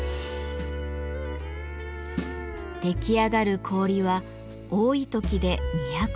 出来上がる氷は多い時で２００トン。